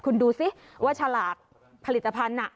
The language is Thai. คุณดูสิว่าฉลากผลิตภัณฑ์น่ะ